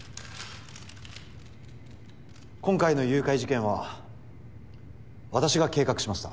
今回の誘拐事件は私が計画しました。